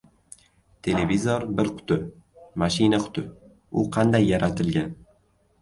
Televizor – bir quti. Mashina-quti. U qanday yaratilgan?